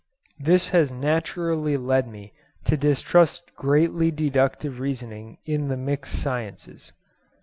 This has naturally led me to distrust greatly deductive reasoning in the mixed sciences.